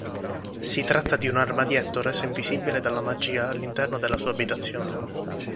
Si tratta di un armadietto reso invisibile dalla magia all'interno della sua abitazione.